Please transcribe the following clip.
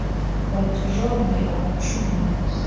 batujombe amacumu